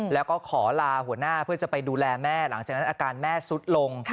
แล้วก็ขอลาหัวหน้าเพื่อจะไปดูแลแม่หลังจากนั้นอาการแม่สุดลง